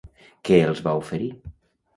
Què els va oferir?